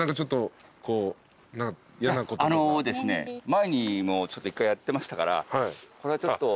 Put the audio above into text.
前にもちょっと１回やってましたからこれはちょっと。